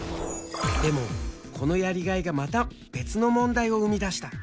でもこのやりがいがまた別の問題を生み出した。